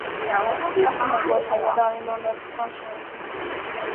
他是美国茶叶党运动的创始人之一。